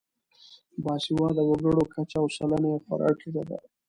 باسواده وګړو کچه او سلنه یې خورا ټیټه ده.